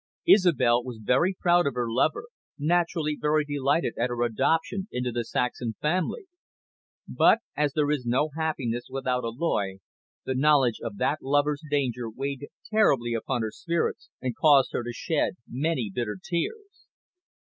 Isobel was very proud of her lover, naturally very delighted at her adoption into the Saxham family. But, as there is no happiness without alloy, the knowledge of that lover's danger weighed terribly upon her spirits, and caused her to shed many bitter tears.